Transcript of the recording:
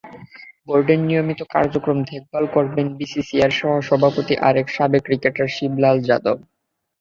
বোর্ডের নিয়মিত কার্যক্রম দেখভাল করবেন বিসিসিআইর সহসভাপতি আরেক সাবেক ক্রিকেটার শিবলাল যাদব।